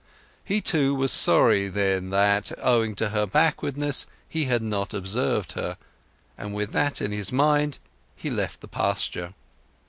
He, too, was sorry then that, owing to her backwardness, he had not observed her; and with that in his mind he left the pasture.